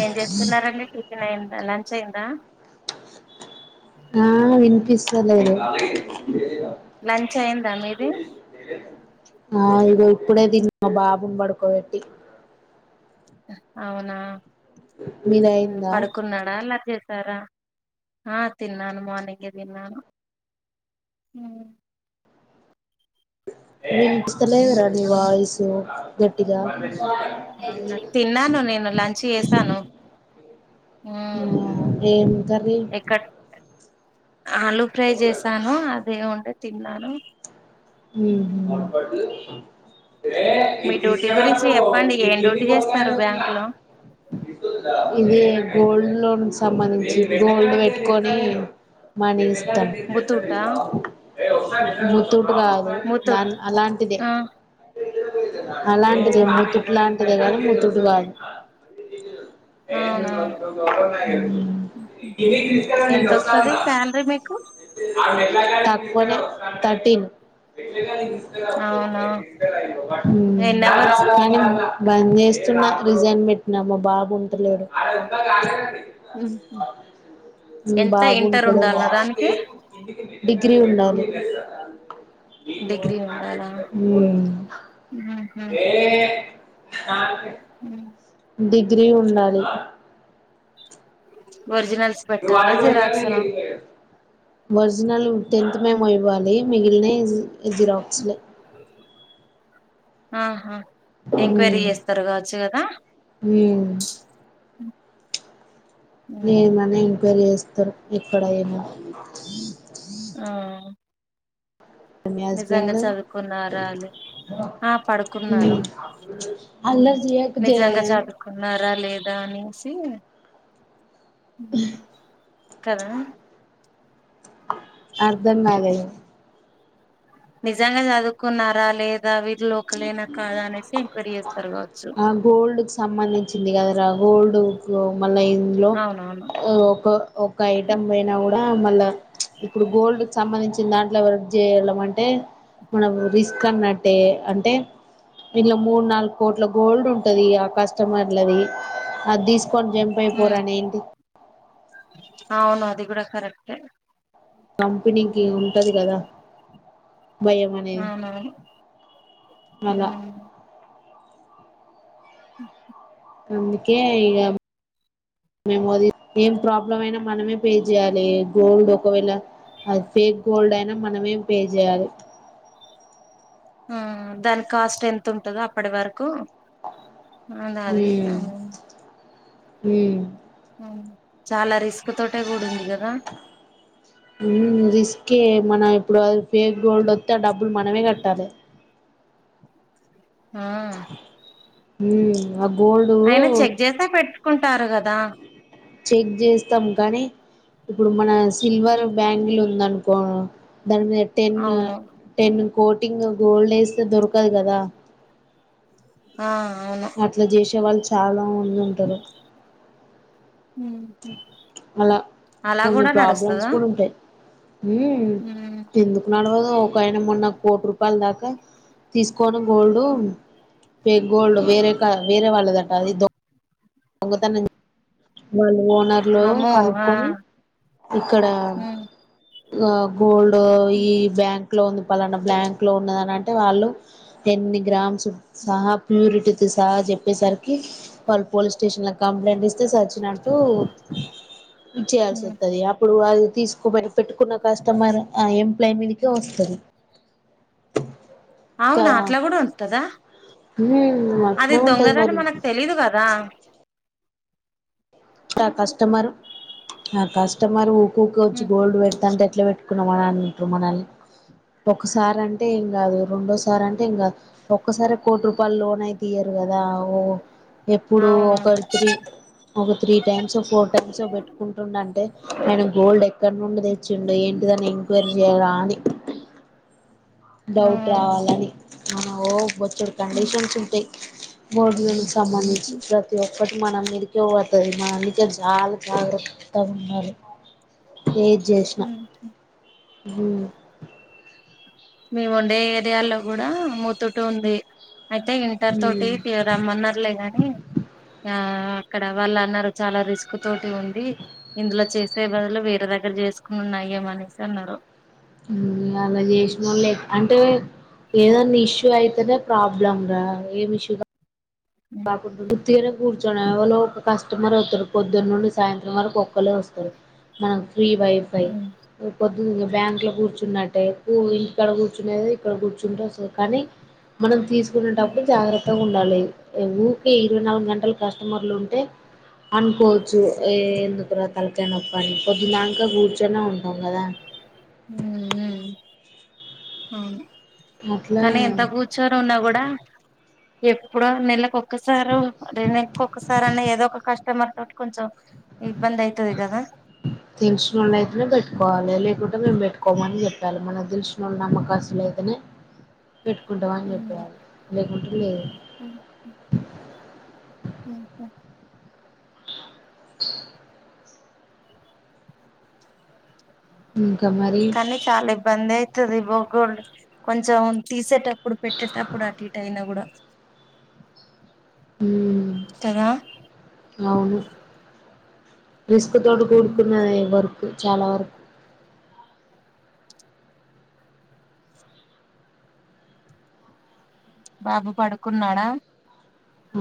ఏం చేస్తున్నారండి టిఫిన్ అయిందా లంచ్ అయిందా ఆ వినిపిస్తలేదు లంచ్ అయిందా మీది ఆ ఇడే ఇప్పుడే తిన్న మా బాబుని పడుకో బెట్టి అవునా మీది హ్మ్ అయిందా పడుకున్నాడా అల్లరి చే స్తారా ఆ తిన్నను మార్నింగే తిన్నాను ఉహ్మ్ వినిపిస్తలేదురా ని వాయిసు గట్టిగా అవునా తిన్నాను నేను లంచ్ చేసాను ఊమ్ ఏం కర్రీ ఎక్కడ ఆలు ఫ్రై జేసాను అదే ఉంటే తిన్నాను ఊహ్మ్ ఉమ్, ఏ ఇది మీ డ్యూటీ గురించి దీస్కారాపో చెప్పండి ఇది ఏం డ్యూటీ తినికి చేస్తారు ఒస్తాలేదు ఇంకా బ్యాంక్ లో ఇవి గోల్డ్ లోన్స్ సంబంధించి గోల్డ్ పేట్టుకొని మనీ ఇస్తాం ముతూటా ముతూట్ గాదు ముతూట్ దాం అలాంటిదే ఆ అలాంటిదే అవునా ముతుట్ లాంటిదే కని ముతుట్ గాదు అవునా ఊమ్ ఎంత వస్తది శాలరీ మీకు తక్కువనే తర్టీన్ అవునా ఊమ్ ఎన్ని అవర్స్ కానీ బంద్ జేస్తున్న రిజైన్ వెట్టినా మా బాబు ఉంటలేదు ఉ ఎంత ఇంటర్ బాబుంటడేమో ఉండాలా దానికి డిగ్ డిగ్రీ ఉండాలి డిగ్రీ ఉండాలా ఉహు ఊమ్ కార్ కే డిగ్రీ ఉండాలి ఒరిజినల్స్ పెట్టాలా జిరాక్స్లా ఒరిజినల్ టెంత్ మెమో ఇవ్వాలి మిగిలినయి జిరాక్స్లే ఆహా ఎంక్వైరీ మ్మ్ జేస్తారు గావచ్చు గదా మ్మ్ ఏందన్న ఎంక్వైరీ జేస్తరు ఎక్కడయినా ఆ మీ నిజంగా హస్బెండ్ చదువుకున్నారాలె ఆ పడుకున్నారు మ్మ్. ఉమ్ అల్లరి చేయకు జయ నిజంగా చదువుకున్నారా లేదా రానిసి కదా అర్ధం కాలేదు నిజంగా చదువుకున్నారా లేదా కాలేజ్ లోకలేనా కాదా అనేసి ఎంక్వైరీ చేస్తారు కావచ్చు ఆ గోల్డ్ కి సంబంధించింది కదా రా గోల్డ్ వర్క్ లో మళ్ళ ఇందులో అవునవును ఒక ఒక ఐటెం పోయినా కూడా మళ్ళా ఇప్పుడు గోల్డ్ కి సంబంధించిన దాంట్లో వర్క్ చేయడం అంటే మనం రిస్క్ అన్నట్టే అంటే ఇళ్ళ మూడు నాలుగు కోట్ల గోల్డ్ ఉంటది ఆ కస్టమర్లది అది తీసు కొని జంప్ అయిపోరు అని ఏంటి అవును అది కూడా కరెక్ట్ కంపెనీకి ఉంటది కదా భయం అనేది అవునవును మళ్ళా అ అందుకే ఇగా మేముోది ఏం ప్రాబ్లమ్ అయినా మనమే పే చేయాలె గోల్డ్ ఒకవేళ అది ఫేక్ గోల్డ్ అయినా మనమే పే చేయాలి ఆ దాని కాస్ట్ ఎంతంటందో అప్పటి వరకు అందసి అవును హ చాలా రిస్క్ తోటే కూడింది కదా మ్మ్ రిస్క్ మనం ఇప్పుడు ఫేక్ గోల్డ్ వస్తే ఆ డబ్బులు మనమే కట్టాలి ఆ హ అయిన చెక్ చేస్తే పెట్టుకుంటారు కదా చెక్ చేస్తాం కానీ ఇప్పుడు మన సిల్వర్ బ్యాంగిల్ ఉందినుకో దాని మీద టెన్ అవును టెన్ కోటింగ్ గోల్డ్ వేస్తే దొరకదు కదా ఆ అవును అట్లా చేసే వాళ్ళు చాలా మంది ఉంటారు అలా అలా కొన్ని కూడా ప్రాబ్లమ్స్ నడుస్తదా కూడా ఉంటాయి ఎందుకు నడవదు ఒక ఆయన మొన్న కోటి రూపాయల దాకా తీసుకు కొనుగోల్డు ఫేక్ గోల్డ్ వేరే కదా వేరే వాళ్ళదట అది దో దొంగతనం వాళ్ళు ఓనర్లు అమ్మో ఆ కనుక్కకుొని ఇక్కడ గోల్డ్ ఈ బ్యాంక్ ఉంది పాలనా బ్లాంక్ లో ఉన్నదంటే వాళ్ళు ఏని గ్రామ్స్ సహా ప్యూరిటీ స చెప్పేసరికి వాళ్ళ పోలీస్ స్టేషన్ కంప్లైంట్ ఇస్తే స వచ్చినట్టు చేయాల్సి వస్తుంది అప్పుడు అది తీసుకో పెట్టుకున్న కస్టమర్ ఆ ఎంప్లాయ మీదకే వస్తుంది అవునా అట్లా కూడా ఉంటదా హ్మ్ అది అట్నే ఉంటది దొంగద అని మరి మనకు తెలీదు కదా ఆ కస్టమర్ ఆ కస్టమర్ ఊక్కక వచ్చి గోల్డ్ పెడతాంటే ఇట్లో పెట్టుకున్నామని అంటురు మనల్ని ఒకసారి అంటే ఏం కాదు రెండోసార్ అంటే ఏం కాదు ఒక్కసారి కోటి రూపాయలు లోన్ అయితే తీయ్యరు కదా ఓ ఎప్పుడు ఒకరి తి ఒక త్రీ టైమ్స్ ఫోర్ టైమ్స్ పెట్టుకుంటుటే అంటే అయినా గోల్డ్ ఎక్కడ నుండి తెచ్చిండు ఏంటిదని ఎం ఎంక్వయిరీ చెయ్యరా అన్ని డౌట్ అవును రావాలని మన ఓ వొచ్చడు కండిషన్స్ ఉంటాయి మోడలను సంబంధించి ప్రతి ఒక్కటి మనం మీదకి మా అందుకే చాలా జాగ్రత గా ఉన్నారు అ ఉ మేము ఉండే ఏరియాలో కూడా మూతుట ఉంది అయితే ఇంటర్ తోటి రమ్మన్నారులే గాని ఆ అక్కడ వాళ్ళు అన్నారు చాలా రిస్క్ తోటి ఉంది ఇందులో చేస్త సే బదలు వేరే దగ్గర చేసుకున్నాయ ఏమ అనేసి అన్నారు అలా చేసిన వాళ్లే అంటే ఏదనా ఇష్యూ అయితేనే ప్రాబ్లమ్ రా ఏమి ఇష కా బకు గుత్తినే కూర్చన వాళ్ళ కస్టమర్ అవుతారు పొద్దున్న నుండి సాయంత్రం వరకు ఒక్కళ్ళే వస్తరు మనం త్రి భయం భయం బ్యాంక్ లో కూర్చున్నట్టే ఎక్కు ఇంక్కడ కూర్చునేదో ఇక్కడ కూర్చుంటేస్తు కానీ మనం తీసుకునేటప్పుడు జాగ్రత్తగా ఉండాలి ఊరికే ఇరవై నాలుగు గంటలు కస్టమర్లు ఉంటే అనుకోవచ్చు ఎందుకు రా తలకా నొప్పని పొద్దు దకా కూర్చొనే ఉంటాం కదా హ హ అవును అట్లా కానీ ఎంత కూర్చోని ఉన్నా కూడా ఎప్పుడో నెలలకు ఒసారు రేను ఇంకుక్కసారి అని ఏదో ఒక కస్టమర్ తోటి కొంచెం ఇబ్బంది అయితది కదా తెలిసిన వాళ్ళ అయితేనే పెట్టుకోవాలి లేకుంటే మేము పెట్టుకోల ఒకోమని చెప్పాలి మన తెలిసిన నమ్మకాశలు అయితేనే పెట్టుకుంటావా అని చెప్పయాలి లేకుంట లేదు అకా హ కానీ కాల ఇబ్బంది అయితుది బ కొంచెం తీసేట ఇప్పుడు పెట్టేటప్పుడు అటు ఇటు అయినా కూడా మ్మ్ కదా అవును రిస్క్ తోటి కూడుకున్న వర్క్ చాలా వరకు బాబు పడుకున్నాడా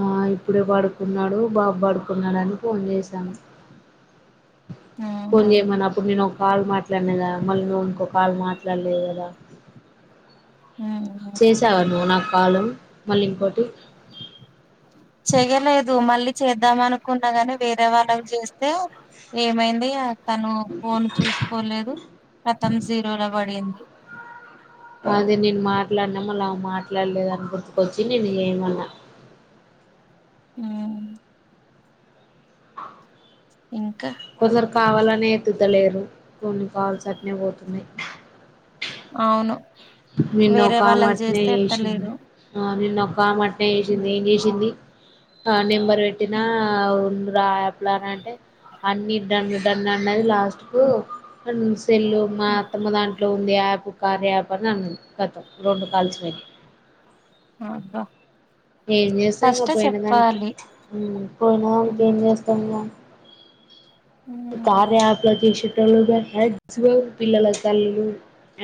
ఆ ఇప్పుడే పడుకున్నాడు బాబు పడుకున్నాడు అని ఫోన్ చేసా కొ అవునా ఏ మనప్పుడు కాల్ మాట్లాడినా కదా మళ్ళీ నువ్వు ఇంకో కాల్ మాట్లాడలేదు కదా చేసావా నువ్వు నాకు కాలు మళ్ళీ ఇంకోటి చేయలేదు మల్లి చేద్దాం అనుకున్నా ని వేరే వాళ్ళకి చేస్తే ఏమైంది తను ఫోన్ చూసుకోలేదు కథం జీరోలో వడింది అదే నేను మాట్లాడినా మళ్ళా ఆమె మాట్లాడలేదని గుర్తుకొచ్చి నిన్ను చేయామన్నా ఉ ఇంకా కొందరు కావాలని ఎత్తుతా లేరు కొన్ని కాల్స్ అట్నే పోతున్నాయి అవును నిన్న వేరే ఒక ఆమె వాళ్ళకి అట్నే చేస్తే చేసింది ఎత్తలేదు ఆ నిన్న ఒక్క ఆమె అట్నే చేసింది ఏం చేసింది ఆ నెంబర్ పెట్టినా అవుళ్ళు రాప్లాన్ అంటే అన్ని డన్ డన్ అన్నది లాస్ట్ కు హన్సు సెల్లు మా అత్తమ దాంట్లో ఉంది యాప్ కార్య యాప్ గతం రెండు కాల్స్ వెయి అదా ఏం చేస్తా ఇంకా పోయినదానికి ఉ పోయినదానికి ఏం ఉమ్ చేస్తాం ఇంగ ఈ కార్య యాప్ ల తీసేటోళ్ళు గా మాక్సిమమ్ పిల్లల తల్లులు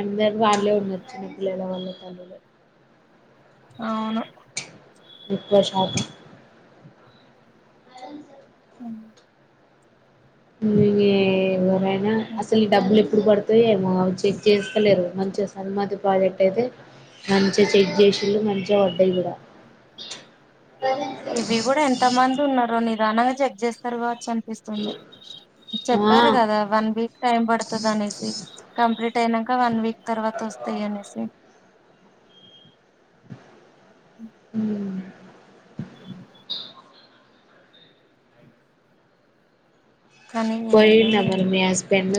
అందరు వాళ్లే ఉన్నారు చిన్న పిల్లల వాళ్ళ తల్లులే అవును వి ప్రశాంతి ఎవరైనా అసలు డబ్బులు ఎప్పుడు పడుతాయో ఏమో కావచ్చు చెక్ చేసులేరు గా మంచిగా సమ్మతి ప్రాజెక్ట్ అయితే మంచిగా చెక్ చేసిళ్ళు మంచిగా వడ్డాయి కూడా ఇవి కూడా ఎంత మంది ఉన్నారో నిదానంగా చెక్ చేస్తారు కావచ్చు అనిపిస్తుంది ఆ చెప్పారు కదా వన్ వీక్ టైం పడుతది అనేసి కంప్లీట్ అయినాక వన్ వీక్ తర్వాత వసు వత్తాయి అనేసి ఉ కానీ ఏందో పోయిందా మరి ఏమో మీ హస్బెండ్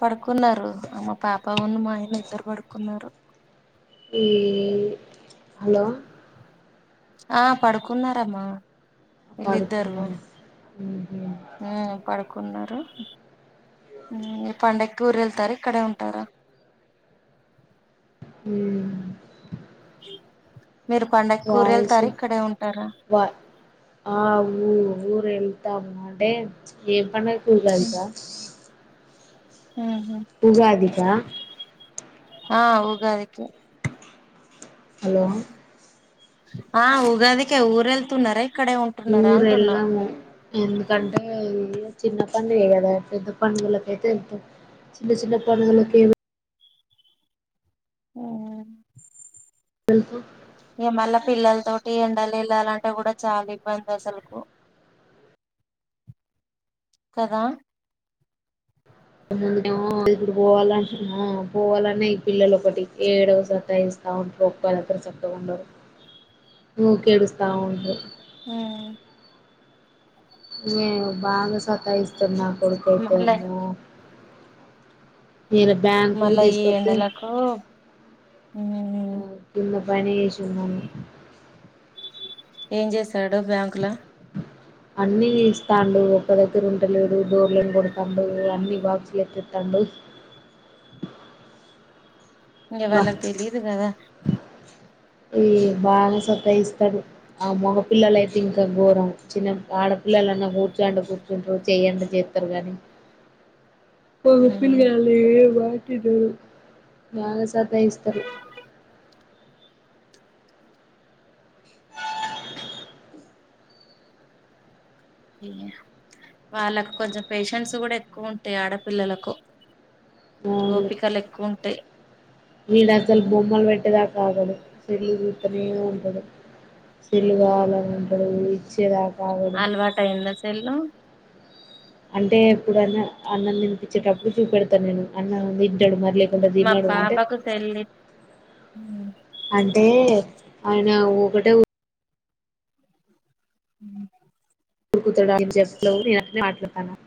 పడుకున్నారు అ మా పాప ఉన్న మా ఆయన ఇద్దరు పడుకున్నారు ఈ హలో ఆ పడుకున్నారమ్మా వీళ్ళు ఇద్దరు పడుకున్నారా ఉ పడుకున్నారు ఉ పండగ కి ఊరు వెళ్తారు ఇక్కడే ఉంటారా ఉ మీరు పండక్కి ఊరు వాయిసు వెళ్తారు ఇక్కడే ఉంటారా వ ఆ ఊ ఊర్ వెల్ దమ్ము ఉంటే ఏ పండుగకు ఉగాది కా ఉహు. ఉగాది కా ఆ ఉగాది కే హలో ఆ ఉగాది కే ఊరు వెళ్తున్నారై ఊరు వెళ్ళాము ఎందుకంటే అ ఓ చిన్న పండుగ ఏ కదా పెద్ద పండుగలకు అయితే వెళ్తాం చిన్న చిన్న పండుగలకు ఏం ఆ వెళ్తాం ఇగ మళ్ళా పిల్లల తోటి ఎండల వెళ్ళాలంటే కూడా చాలా ఇబ్బంది అసలుకు కదా నేను ఏమో ఇప్పుడు పోవాలంటున్నా పోవాలన్నా ఈ పిల్లలు ఒకటి ఏడవ సతా ఇంచు స్తా ఉంటారు ఒక్కళక్క చక్కగా ఉండరు ఉకే ఏడుస్తా ఉంటారు హ్మ్ మేవు బాగా సతాయిస్తున్నా నా కొడుకు అయితే మళ్ళా ఆమ్మో ఇయాల బ్యాంకు కు మళ్ళా ఈ తీసుకొస్తే ఎండలకు ఆ కింద బనేషు ఉన్నాం ఏం చేసాడు బ్యాంకు లో అన్ని ఇస్తాండు ఒక్క దగ్గర ఉంటలేడు డోర్లను కొడతాండు అన్ని బాక్సులు ఎత్తెతండు ఇంగ వా ఏవన్నా తెలీదు కదా ఈ బాగానే సతాయిస్తాడు ఆ మోగపిల్లలయితే ఇంకా ఘోరం చిన్న ఆడ పిల్లలన్నా కూర్చో అంటే కూర్చుంటారు చెయ్ అంటే చేస్తారు కానీ [unintelligible] వా వట్టి డో బాగా సతాయిస్తారు వాళ్ళకు కొంచెం పేషెన్స్ కూడా ఎక్కువ ఉంటాయి ఆడపిల్లలకు ఓపికలు ఎక్కువ ఉంటాయి వీడసలు బొమ్మల్ పెట్టే దాకా ఆగడు సెల్లు చూత్తనే ఉంటాడు సెల్లు కావాలని ఉంటాడు ఇచ్చేదాక అలవాటైంది ఆ సెల్లు అంటే ఎప్పుడన్న అన్నం తినిపించేటప్పుడు చూపెడతా నేను అన్నం తింటాడు మరి లే పోతే మా తినడు అంటే పాపకు సెల్ అంటే అయినా ఒకటే ఉ ఉమ్ రుకుతడు అని జస్ట్ లో నేను అట్లనే మాట్లాడుతున్న